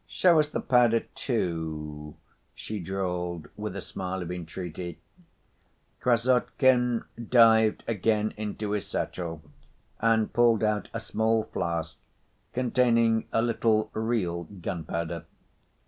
"Show us the powder, too," she drawled with a smile of entreaty. Krassotkin dived again into his satchel and pulled out a small flask containing a little real gunpowder.